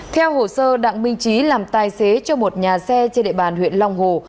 theo hồ sơ đặng minh trí làm tài xế cho một nhà xe trên địa bàn huyện long hồ